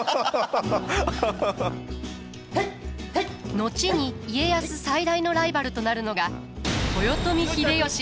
後に家康最大のライバルとなるのが豊臣秀吉。